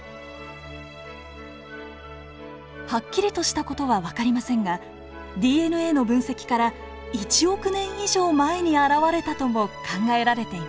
はっきりとした事は分かりませんがＤＮＡの分析から１億年以上前に現れたとも考えられています。